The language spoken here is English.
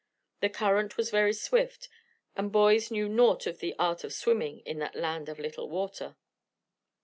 The current was very swift, and boys knew naught of the art of swimming in that land of little water.